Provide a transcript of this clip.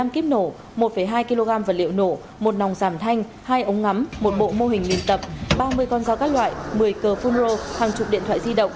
một mươi năm kíp nổ một hai kg vật liệu nổ một nòng giảm thanh hai ống ngắm một bộ mô hình liên tập ba mươi con giao các loại một mươi cờ phunro hàng chục điện thoại di động